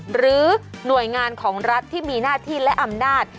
หรือหน่วยงานของรัฐที่มีหน้าที่และอำนาจ